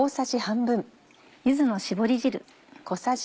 柚子の絞り汁。